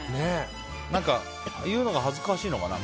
何か言うのが恥ずかしいのかな。